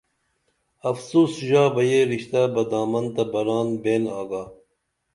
افسوس ژا یہ رشتہ بہ دامن تہ بران بین آگا